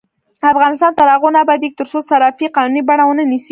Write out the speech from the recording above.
افغانستان تر هغو نه ابادیږي، ترڅو صرافي قانوني بڼه ونه نیسي.